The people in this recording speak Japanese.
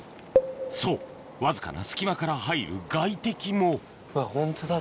そうわずかな隙間から入る外敵もホントだ